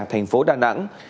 thành phố đà nẵng